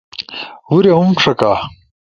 ہورے ہُم ݜکا۔